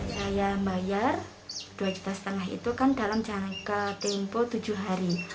saya bayar dua juta setengah itu kan dalam jangka tempo tujuh hari